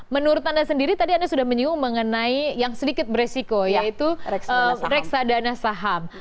menurut anda sendiri tadi anda sudah menyinggung mengenai yang sedikit beresiko yaitu reksadana saham